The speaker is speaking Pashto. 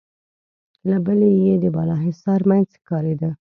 له بلې يې د بالاحصار مينځ ښکارېده.